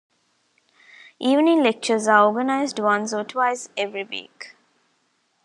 Evening lectures are organized once or twice every week.